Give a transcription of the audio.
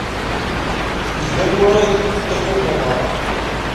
Nekk d amurar n tkurt-uḍar.